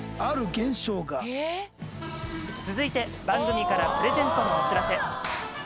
続いて番組からプレゼントのお知らせ。